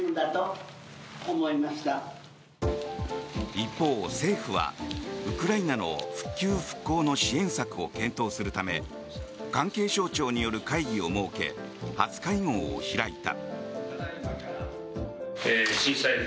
一方、政府はウクライナの復旧・復興の支援策を検討するため関係省庁による会議を設け初会合を開いた。